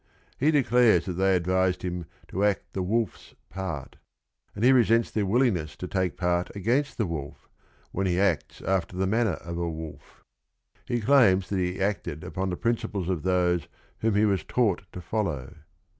He declares that they advised him to act the wolf's part and he resents their willingness to take part against the wolf, when he acts after the manner of a wolf. He claims that he acted upon the principles of those whom he was taught to follow.